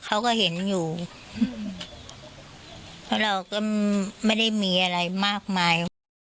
เขาก็เห็นอยู่เพราะเราก็ไม่ได้มีอะไรมากมายว่า